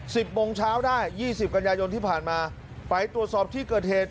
สิบโมงเช้าได้ยี่สิบกันยายนที่ผ่านมาไปตรวจสอบที่เกิดเหตุ